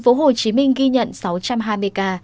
tp hcm ghi nhận sáu trăm hai mươi ca